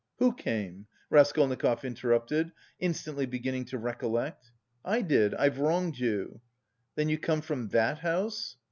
"Who came?" Raskolnikov interrupted, instantly beginning to recollect. "I did, I've wronged you." "Then you come from that house?"